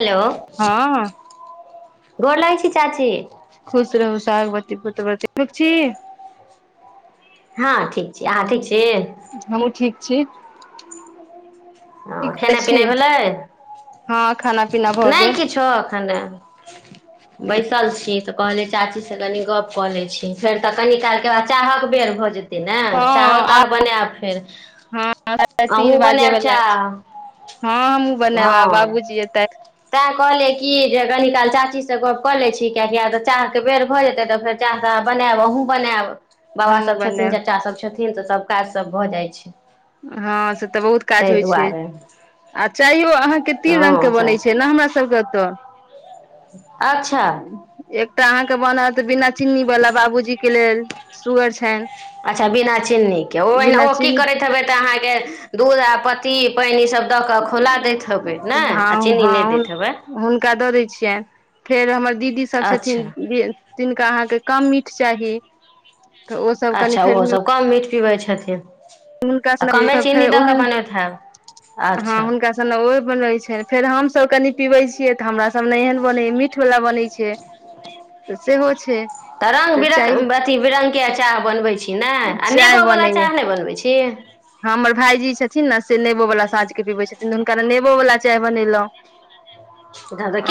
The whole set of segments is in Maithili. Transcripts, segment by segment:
हेलो हँ गोर लगै छी चाची खुस रहु सोहागबती रहु पुत्र वती रहु। छी। [unintelligible] हँ ठीक छै आहाँ ठीक छै। [unintelligible] हमहूँ ठीक छी। [unintelligible] ह करै खेनाइ छी पिनाइ भेलै हँ खाना पीना भऽ नहि गेल किछो हने बैसल छी तऽ कहलियै चाचीसँ कनी गप कऽ लै छी फेर तऽ कनी कालके बाद चाहक बेर भऽ जेतै ने चाहो हँ आब ताह बनाब फर हँ तीन बाजे बला चाह हँ हमहुँ बनेब बाबूजी एत कहलै कि जे कनी काल चाचीसँ गप कऽ लैत छी किियाकि आ तऽ चाहके बेर भऽ जेतै तऽ फेर चाह त बयब अहुूँ बनायब बाबा हमहूँ सभ छथिन बनायब चाचाभ छथिन तऽ सभ काज सभ भऽ जाइ छै हँ से तऽ बहुत काज ताहि होइ छै दुआरे आ चाहयो अहाँके तीन रंगग हँ के सएह बनै छै ने हमरा सबके ओतऽ अच्छा तऽ अहाँके बनत बिना चीन्नी वला बाबूजी के के लेल सुगर छनि अच्छा बिना चीन्नीके ओ ओहिना बिना ओ की चीनी करैत हेबै तऽ अहाँके दूध आ पत्ती पैनी सभ ह चीनी नहि हँ दैत हेबै हुनका दऽ दै छियनि फेर हमर दीदी सब छथिन अच्छा तिनका अहाँके कम मीठ चाही तऽ ओसभ कनि अच्छा फेर ओहो सब कम म पिबै छथिन हुनका आ कमे चीनी फेर दऽ कऽ ओहन बनबैत हैब हँ अच्छा हुनका स ओहिप रहै छनि फेर हमसभ कनी पीबै छियै तऽ हमरा सब नहि एहन बनैय मीठ वालला बनै छै तऽ सेहो छै तऽ रंग बिरङ अथी बिरङंगगकेचाह बनबे छीिय नहि आ चाय नेबो बला चाह बनैय नहि बनबै छै तन हमर भायजी छथिन ने से नेबोवला साँझके पीबै छथिन तऽ हुनका ने नेबोवला चाय बनेलहुँ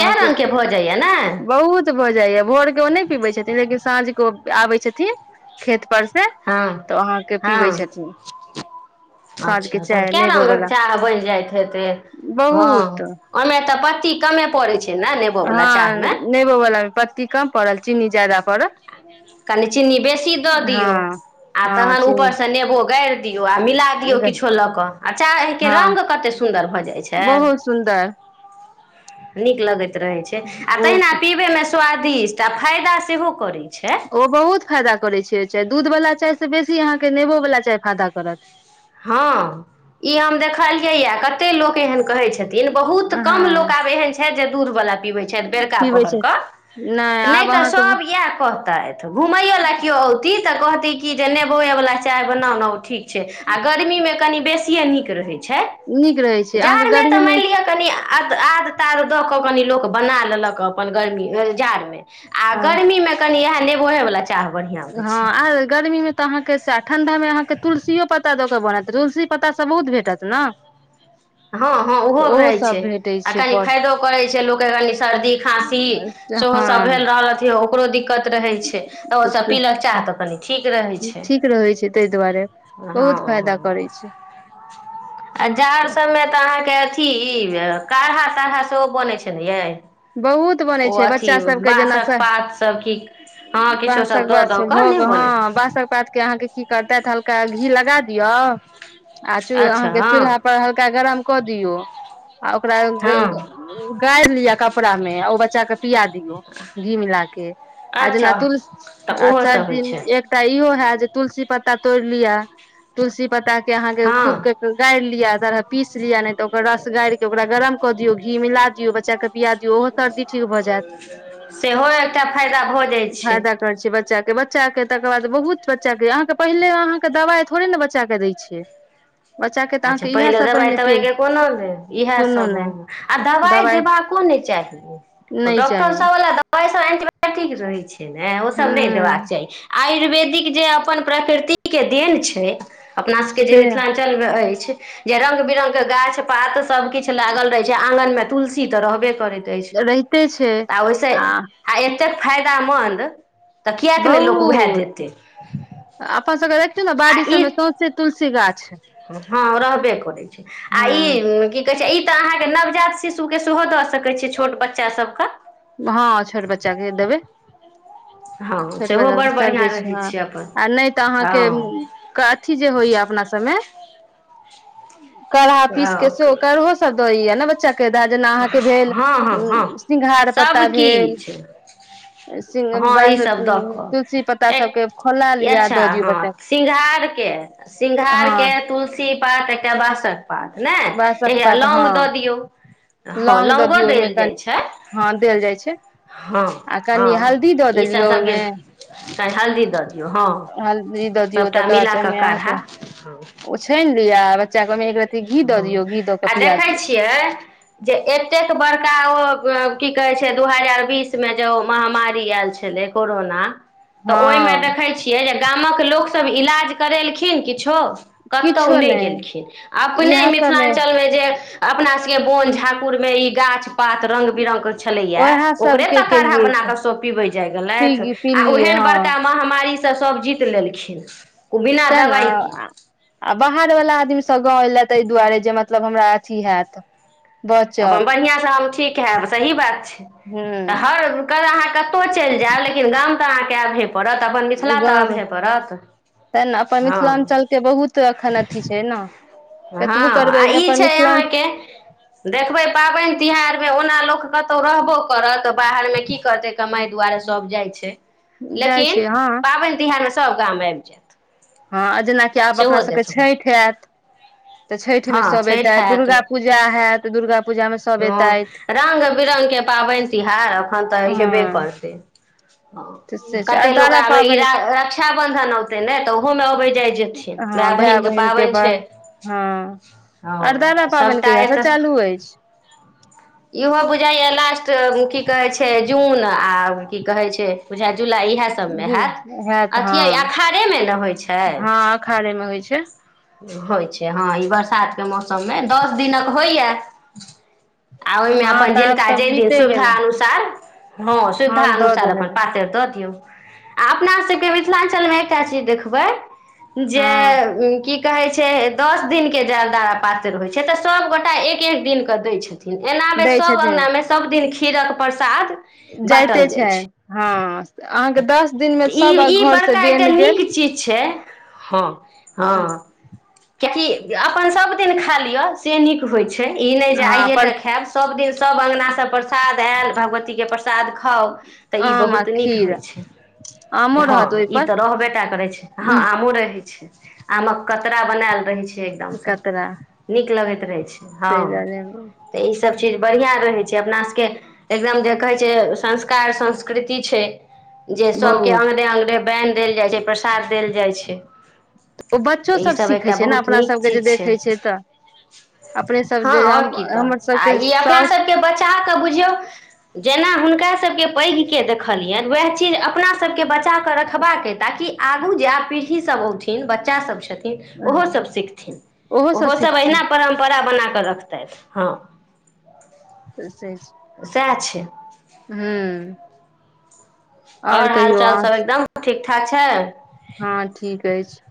कए रङ्गके भऽजइए ने बहुत भऽ जाइया भोर के ओ नहि पीबै छथिन लेकिन साँझ के आबै छथिन खेत। [unintelligible] पर से हँ [unintelligible] तऽ वहाँके पीबै हँ छथिन। [unintelligible] साँझके अच्छा तहन चाय क नेबो रंगग वला चाह बनि जाइत हेते हँ बहुत [unintelligible] ओहिमे। तऽ पत्ती कमे पड़ै छै ने [unintelligible] नेबोवला हँ चाहमे नेबो बला। पत्ती कम पड़ल चीनी ज्याददा पड़ल। [unintelligible] कनि चीनी बेसी दऽ दियौ हँ आ हँ तहन चीनी ऊपरसँ नेबो गारि दियौ आ मिला दियौ किछो लऽ कऽ आच चाह एहिके हँ रङ्ग कतेक सुन्दर भऽ जाइ छै। बहुत सुन्दर [unintelligible] नीक लागत। [unintelligible] रहै छै आ तहिना बहुत पीबैमे। [unintelligible] स्वादिष्ट आ फायदा सेहो करैत छै। [unintelligible] ओ बहुत फायदा करैत छै ओहि चाय दूध वला चाय से बेसी अहाँके नेबो वला चाय फायदा करत। [unintelligible] हँ ई हम देखलियैए कतेक लोक एहन कहैत छै। छथिन बहुत कम हँ लोक आब एहन छथि। दूर वला। [unintelligible] पीबै छथि बेड़का पीबै पहर छै कऽ [unintelligible] नहि आब तऽ अहाँके सब इएह कह। तऽ घुमयो ला केियो औती तऽ कहती की जे नेबोए वालला चाय बना न ठीक छै। आ गर्मी मे कनि बेसी। ीक रहै छै। नीक रहै [unintelligible] म। छै अहाँके गर्मी मे [unintelligible] आद ताद द क कनि लोक बना लेलक अपन गर्मी जाड़ मे। आ हँ गर्मी मे कनि इएह। नेबो‌हैवला छै। हँ आर गर्मीमे। [unintelligible] तहाँके। [unintelligible] ठंडा मे अहांके तुलसियो पता दक। बनत तुलसी पत्तास सब बहुत भेटत ने। [unintelligible] हँ -हँ ओहो रहैत सब छै भेटै आ छै कनि पर फायदो करैत छै लोकके कनी सर्दी खाँसी सेहोसभ हँ भेल रहल। ओकरो दिकत। च ठीक रहै छै ताहि रह दुआरे बहुत फायदा करै छै छै। [unintelligible] के अथी -काढ़ा ताढ़ा सेहो बन छे ने ये। [unintelligible] बहुत बनै छै बच्चा सबके जेना बाँसक पात सब की हँ किछो सब बासक दऽ बात दऽ कऽ नहि भोग बनै हँ बासक पात के अहाँके की करता हल्का घी लगा दियौ। [unintelligible] ह। [unintelligible] आ - अहाँ अच्छा के हँ चूल्हा पर हल्का गरम। क दियऔ। [unintelligible] आ ओकरा हँ गाड़ि लिया कप। कपड़ा में ओ बच्चा के। पिया दियो, घी मिला के, आ अच्छा जेना तुलसी तऽ आ ओहो सब होइ सर्दिमें छै एकटा इहो हयत। तुलसी पता तोर लिया। [unintelligible] के अहाँ के हँ खूबक के गाड़ि लिय। तरह पीस लिया नहि तऽ ओकर रस गारि के। ओकरा गरम कऽ दियौ, घी मिला दियौ, बच्चा के। पिया दियौ ओहो सर्दी ठीक भऽ जायत सेहो एकटा फायदा भऽ जाइ छै। बच्चाके, तकर बाद बहुत बच्चाके, अहाँ के पहिले अहाँके दबाइ थोड़े ने बच्चाके दै छैय। अच्छा पहिले दवाइ- तवाइके कोनो नइ लेब कोनो इएहसभ, नहि हम आ दवाइ दबाइ देबाको नइ। नहि डॉक्टर चाही सबवला। ओस एन्टीबायोटिक रहै छै। ने ओ सब नहि देबाक हँ चाही। आयुर्वेदिक जे अपन प्रकृति के देन छै। अपना सबके जे से मिथिलाञ्चल। अछि जे रङंग-बिरङंगके गाछ पात। सब किछु लागल रहे छै, आंगन में। तुलसी तऽ रहबे। करैत अछि, रहिते छै आ ओहिस आ ए। एतेक फायदामन्द। तऽ किएक नहि लोक उएह बहुत, देतै अपन सब देख। बड़ी आ सबमें ई सोंसे तुल। से गाछ। हँ रहबे करैत छै, आ हँ ई की कहै छै ई। तऽ अहाँके नवजात शिशु के सेहो दऽ सकैत छी, छोट बच्चा सब के। हँ छोट बच्चा के देबै। हँ छोट सेहो बच्चा बड़ के सर्दी बढ़िआँ छै, रहै ह अपन आ नहि तऽ अहाँके हँ अथी जे होइया अपना सबमें। ह। काढ़ा पीस के से, काढ़ो सब दै य। बच्चा। जेना अहाँक भेल सिधार पत्त। ई सबा तुलसी पत्ता सबके खौला लिअ दऽ दियौ बच्चा के। हँ ती पात के बास पात ने बासक एक पात लौग दऽ हँ दियौ हँ लौंग द लौंगो दियौहि, देल जाइ छै हँ देल जाय छै, हँ कनि हँ हल्दी द ईसभ दियौ सभके औयमें कनि हल्दी दऽ दियौ हँ हल्दी द दियौ सभटा तकर बाद मिला से कऽ औयमें काढ़ा अहाँक वो छैन लिय। आ बच्चा के ओय में एक। ह कऽ आ पिया देखैत दियौ छियै जे एतेक बड़का ओ की कहै छै दू हजार बीस मे जो महामारी आयल छलै कोरोना तऽ ओहिमे हँ देखैत छियै जेना गामक लोकसभ इलाज करेलखिन किछो कतहु नहि गेलखिन अपने इएह सबमे मिथिलाञ्चल में जे अपना सबके बन झाकुर मे ई गाछ पात रंग बिरंग छलैया ओएह ओकरे सबके तऽ काढ़ा केलियै बना कऽ सब पीबै जाइ गेलथि पी आ पीलियै ओहन हँ बड़का महामारी त सभ जीत लेलखिन ओ बिना तें ने दबाइ के आ बाहर वला आदमी सब गाँव एयले ताहि दुआरे जे मतलब हमरा अथी हैत अपन बचब बढ़िआँसँ हम ठीक हैब सही बात छै तऽ हूँ हर क अहाँके कतहु चलि जायब लेकिन गाम तऽ अहाँके आयब हे गाँवमे ते ने अपन हँ मिथिलाञ्चलके बहुत एखन अथिी छै ने कतबो हँ करबै आ एहिमे ई अपन छै मिथिलाञ्च अहाँके देखबै पाबनि तिहारमे ओना लोक कतहु रहबो करत की कर कमाइ दुआरे सब जाइ छै जाइ लेकिन छै हँ पाबनि तिहार सब गाम आबि जात हँ जेनाकि आब अपना सबके छठि आयत तऽ छठि मे हँ सब छठि एते हैत दुर्गा पूजा है तऽ दुर्गा पूजामे सभ एतथि हँ रङ्ंग बिरङ्गके पाबनि तिहार एखन तऽ हेबे हँ करतै ह तऽ से छै कतेक लोक अरदारा आबै ई पाबनि रा रक्षाबन्धन अतै ने तऽ ओहोमे अबै जाय जेयथिन भाय बहिनके पाबनि छै हँ हँ अरदारा तऽ पाबनि सभटा कहियासँ एतय चालू अछि यहो पूजा एल अ मकी कहै छै जून आ की कहे छै बुझा उहे सब जुल हेत् हैत हँ अथि अठारहे मे न होई छै हँ अखाढ़े मे होइ छै होइ छै हँ ई बरसातके मौसममे दस दिनक होइए आ ओहिमे हँ अपन तऽ आब जिनका तऽ जे दिन बीते गेल सुविधा अनुसार हँ सुविधा दऽ अुसार अपन देल पातरि दऽ दियौ आ अपनासभके मिथिलाञ्चलमे एकटा चीज देखबै जे हँ किी कह छै दस दिन के ज दार पात्र होइ छै तऽ सबगोटा एक एक दिन कऽ दै छथिन एना मे दै सब छथिन अंगगना मे सब दिन ख खीरक प्रसाद जाइते बाँटल जाइ छै हँ अहाँके दस दिनमे तऽ ई सभ ई घर से बड़का एकटा बन गेल नीक चीज छै हँ हँ कियाकि अपन सब दिन खा लियअ से नीक होयत नहि हँ आइ पर त खायब सभ दिन सब अङंगगना से प्रसाद आयल भगवती के प्रसाद प्रसाद खाउ तऽ ई आम आ बहुत नीक खीर होय आमो रहत हँ ई ओहिपर तऽ रह बेटा कर रहै छै हँ आमो रहै छै आमक कतरा बनायल रहै छै कतरा ल ताहि दुआरे रह सभ चीज बढ़िआँ रहै छै अपना सभके एकदम जे कहै छै संस्कार संस्कृति छै जे सबके बहुत अंगने अंगने बैन देल जाइ छै साद देल जाइ छै ओ बच्चो ई सब एक सीखे छै ने बहुत अपना नीक सबके जे चीज छै देखे तऽ अपने सब ह जे आओर हम की त हमर आ सबके ई अपना साउस सबके बचा बुझियौ जेना हुनका सब के पैघ के देखलियनि वएह चीज अपना सबके बच्चा कऽ रखबाके ताकि आग आगू जायब पीढ़ी सभ औथिन बच्चासभ छथिन ओहो सभ सीखथिन सब ओहो सभ अहिना सिखथिन परम्परा बना रखत हँ तस [inaudible] हू आओर हाल चाल सब एकदम ठीकठ छ हँ छै ठीक अछि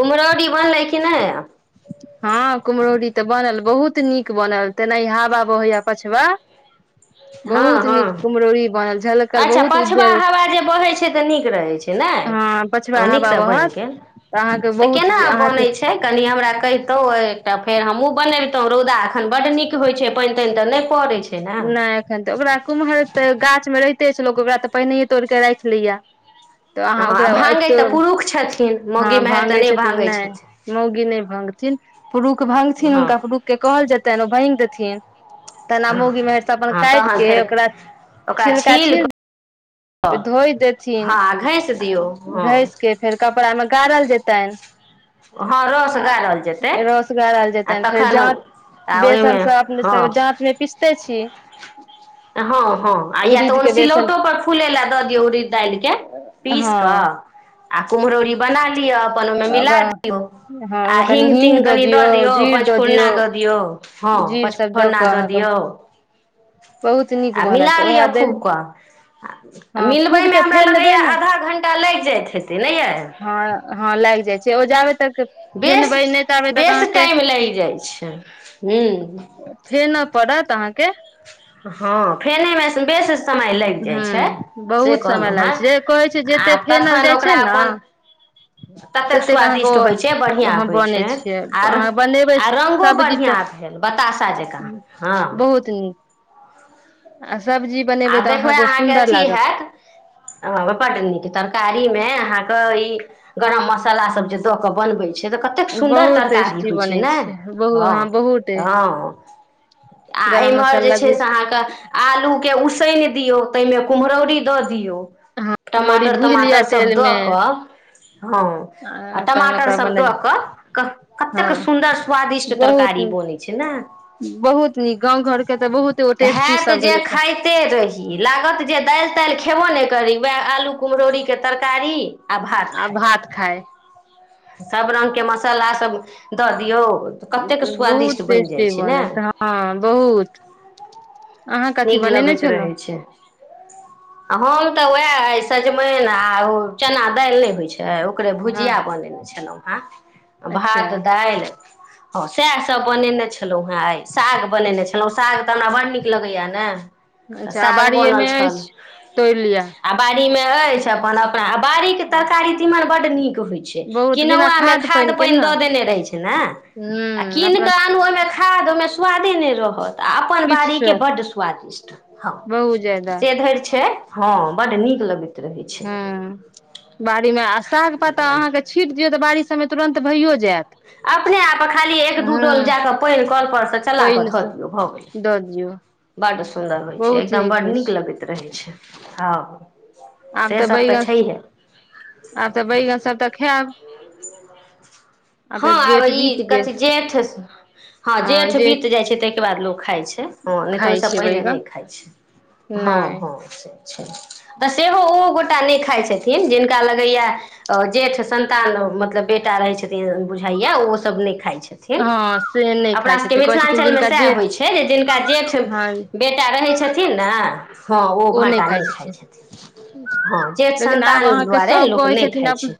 कुमरोडीवन लै कि नहि हँ कुम्हरौरीी तऽ बनल बहुत नीक बनल तेनाह हवा बहैया पछवा हँ- बहुत नीक हँ कुम्हरौरी बनल झलकल अच्छा बहुत पछवा उज्जर हवा जे बहैत छै तऽ नीक रहैत छै ने हँ पछबा -तऽ हवा नीकसँ बनि बहत गेल अहाँके तऽ बहुत केना अहाँके बनैत छै कनि हमरा कहि। एकटा फेर हमहुँ बनबितहु रौदा एखन बड्ड नीक होय छै पानि- तानि तऽ नहि पड़ै छै। ने हँ नई एखन। [unintelligible] ओकरा कुमहर त गाछ मे रह े छै लोक ओकरा तऽ पहिनेय तोड़िक राख लिय। [unintelligible] हँ आ भांगै तऽ पुरुष छथिन। [unintelligible] हँ मेहर तऽ भांगे नहि छथिन भाङ्गै नई छथिन मौगी नई भांगथिन। पुरुखभा्गथिन हँ हुनका पुरुखके कहल जेतनि ओ भाङगि देथिन। [unintelligible] तेना मौगी मेहर अपन हँ काटि तहन फेर कऽ ओकरा- छिलका छील। कऽ धोई देथिन हँ घसि [unintelligible] आ दियौ हँ घस के फेर कपड़ा मे गाड़ल। जेतन। [unintelligible] हँ रस [unintelligible] आ गारल जेतै रस गड़ल आ जेतनि फेर तखन जात आ बेसन ओहिमे सब अपने हँ सब जाँत मे पिसते छी। हँ- हँ आ या तऽ उड़ीद ओन के बेसन सिलौटो पर फूल। फूले ल दऽ दियौ उरी दाल के पीस कऽ। हँ आ कुमरौरी बनालिय। [unintelligible] हिग मिय ओकरा हँ आ ओहिमे ह कनि त हींग क दऽ दियौ जीर दऽ पचफोरना दऽ दियौ ह जीर सब दऽ पचफोना कऽ द अहाँके दियौ। बहुत नीक आ मिला बनत लिअ उएह खूब देल क [unintelligible] आ हँ खूब मिलबैमे के हमरा लगैए फेनबै ने आधा घण्टा लागि जाइत हेतै नहि यए। [unintelligible] हँ हँ लागि जाइ छै। [unintelligible] सेओ जाएे। [unintelligible] बेस -बेस टाइम लागि जाइ छै [unintelligible] ह्म्म। फेनऽ पड़त अहाँके। [unintelligible] हँ फेनेमे बेसन। [unintelligible] समय लागि ह जाइ छै से बहुत समय कहलहुँ लागै हेँ छै जे कहै छै आ जते फेनल तखन जाइ ओकरा छै ने अपन ततेक अहाँके स्वादिष्ट होइ छै ओ बढ़िआँ अहाँ होइ बनै छै छियै आ अहाँ बनेबै -आ रङ्गो सब्जी तऽ बढ़िआँ भेल बताशा जकाँ हँ। [unintelligible] बहुत [unintelligible] आ सबबजी। आ देखबै अहाँके अथी [unintelligible] हत ब नीक तरकारी मे अहाँ। ई गरम मसाला सब जे द के बनबे छै। से तऽ कतेक सुन्दर बहुत तरकारी टेस्टी होइ बनै छै ने बहु हँ बहुत टेस्ट -हँ। आ गरम एम्हर जे मसाला छै से अहाँके आलू। पान दियऔ ताहि में कुमहरौरी दऽ दियौ। हँ अरौरी भूजि लिअ टमाटर-टमाटर सब तेल दऽ मे कऽ। [unintelligible] हँ आ तहन टमाटर ओकरा सब बने दऽ कऽ हँ कतेक सुन्दर स्वादिष्ट बहुत तरकारी नीक बनै छै ने बहुत नीक गाँव घरके तऽ बहुत एगो टेस्टी हयत सब जे भेलै से खाय लागत जे के दाइल ताइल खेबो नहि करी उएह आलू कुमहरौरी के तरकारी आ भात खाय। [unintelligible] सभ रङ्गके मसालासभ दऽ दियौ। [unintelligible] बहुत स्वादिष्ट बनि जाइ टेस्टी छै ने बनत हँ बहुत अहाँ कथी नीक बनेने लगैत रहै छलहुँ छै आ हम तऽ उएह सजमैन आ चना दाइल नै होइ छै छै ओकरे हँ भुजिया बनेने छलहुँ हेँ भात अच्छा दाइल हँ सएह सभ बनेने छलहुँ हेँ आइ साग बनेने छलहुँ साग तऽ हमरा बड़ नीक लगैएा नह अच्छा अ बाड़िएमे अछि तोड़ि लिअ मे अछि अपन बाड़ीके तरकारी तिमन बढ़नीक होइ छै बहुत बिना किनौआमे खाद के पानि ने दऽ देने रहै छै ने आ हूं कीन अपना कऽ आनू ओहिमे खाद ओहिमे स्वादे नहि रहत अपन बाड़ी किछु के बड सु आकिष्ट हँ बहुत ज्यादा सेधरि छै हँ बड़ नीक लगैत छै। रहै आसाक पत्ता अहाँक छीड़ दियौ त बारी। त तुरंत भइयो जायत। अपने आप खाली एक दो डोल हूं जाक पैन क लियै त चला क पानि धो सँ दियौ भ गेलै दऽ दियौ बड सुन्दर होइ छै बहुत एकदम बड होइ नीक छै लगैत रहै छै। हँ। आब से तऽ सब बैगन छैहे आब तऽ बैगन सभ तऽ खायब। तऽ हँ आब जेठ बीत ई गेल कथी जेठ हँ जेठ बीत जाइ छै तऽ। करारलो। खाइ छै हँ नहि तऽ खाइ ओहिसँ छै पहिले नहि बैगन खाइ छै हँ नहि हँ से। तऽ सेहो ओ गोटा नहि खाइत छथिन जिनका लगैया जेठ संन्तान मतलब बेटा रहैत छथिन। [inaudible] हैय ओ सब नइ खाइ छैथ हिन हँ से नहि अपने खाइ सब के छथिन कहै छथिन मिथिलांचल में जिनका सेहो जेठ होइ छै जे जिनका जे छै हँ बेटा रहै छै। थी ना। हाँ ओ नहि भाटा खाइ नै खाय छथिन छथिन हाँ जेठ लेकिन आब संन्तान अहाँके दुआरे सभ लोक कहै नै छथिन खाय आब छै।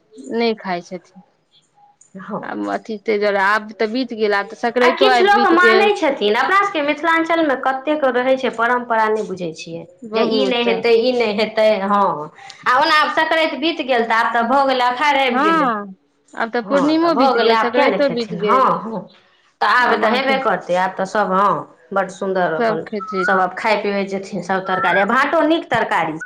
हँ आ म अथी ते जरा आब तऽ बीत गेल आब तऽ आ सकरातो किछु आब लोक बीत मानै गेल छथिन अपना सबके मिथिलाञ्चलमे कतेक रहै छै। परम्परा ने बुझ। ये छीये जे ई नइ बहुत हैतय ई नइ हैतय हँ आ ओनाब से करैत। बीत गेल तऽ आब ते भऽ गेला अखाड़ आएब गेलै हँ आब तऽ हाँ त पूर्णिमो भ बीत गेलै गेल आब क्या नै सकरातो बीत खैथिन गेल हाँ-हाँ। त आब त हेबे करतै आब। तऽ सब हाँ। बड़ सुन्दर सभ अपन खेथिन सब आब खाय पिबै जेथिन सब तरकारी आ भातो नीक तरकारी